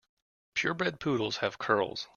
Pure bred poodles have curls.